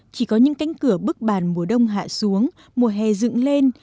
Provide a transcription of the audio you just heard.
chỉ có những cánh cửa bức bàn mùa đông hạ xuống mùa hè dựng lên